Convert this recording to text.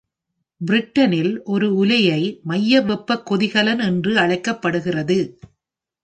பிரிட்டனில் ஒரு உலையை மைய வெப்ப கொதிகலன் என்று அழைக்கப்படுகிறது